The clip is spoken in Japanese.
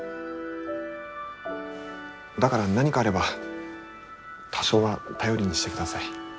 だから何かあれば多少は頼りにしてください。